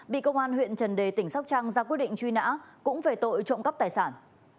bị công an huyện trần đề tỉnh sóc trăng ra quyết định truy nã cũng về tội trộm cắp tài sản